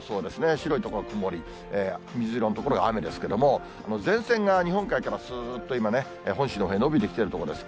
白い所曇り、水色の所が雨ですけれども、前線が日本海からすーっと今ね、本州のほうへ延びてきているところです。